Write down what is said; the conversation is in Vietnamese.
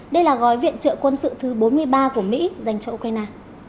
đây là gói viện trợ quân sự thứ bốn mươi ba của mỹ dành cho ukraine